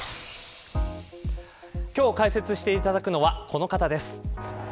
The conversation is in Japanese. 今日解説していただくのはこの方です。